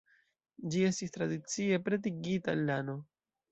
Ĝi estis tradicie pretigita el lano.